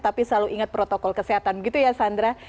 tapi selalu ingat protokol kesehatan begitu ya sandra